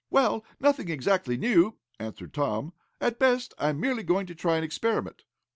"Well, nothing exactly new," answered Tom. "At best I am merely going to try an experiment."